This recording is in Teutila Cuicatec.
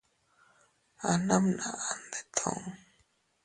Abbnamnaʼa ndettu.